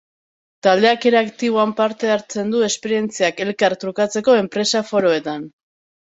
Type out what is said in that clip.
Taldeak era aktiboan parte hartzen du esperientziak elkar trukatzeko enpresa-foroetan.